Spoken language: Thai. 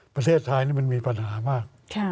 ประเทศไทยนี่มันมีปัญหามาก